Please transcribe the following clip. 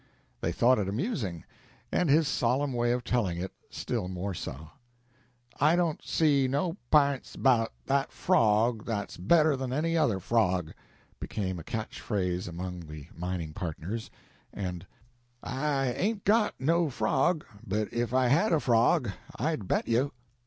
They thought it amusing, and his solemn way of telling it still more so. "I don't see no p'ints about that frog that's better than any other frog," became a catch phrase among the mining partners; and, "I 'ain't got no frog, but if I had a frog, I'd bet you."